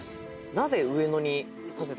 なぜ上野に建てた？